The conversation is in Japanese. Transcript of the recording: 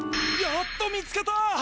やっと見つけた！